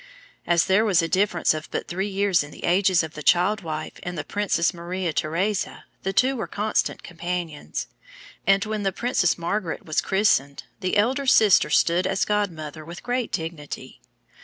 As there was a difference of but three years in the ages of the child wife and the Princess Maria Theresa, the two were constant companions; and when the Princess Margaret was christened, the elder sister stood as godmother with great dignity.